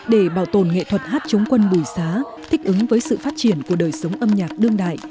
để bảo tồn nghệ thuật hát chống quân bùi xá thích ứng với sự phát triển của đời sống âm nhạc đương đại